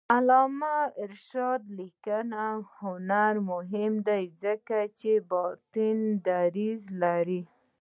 د علامه رشاد لیکنی هنر مهم دی ځکه چې باطني دریځ لري.